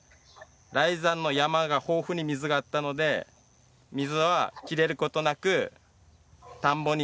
雷山の山が豊富に水があったので水は切れることなく田んぼに来てました。